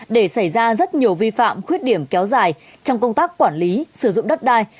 để xảy ra rất nhiều vi phạm khuyết điểm kéo dài trong công tác quản lý sử dụng đất đai